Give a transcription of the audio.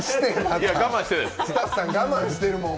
スタッフさん我慢してるもん。